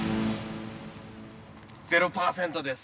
◆０％です。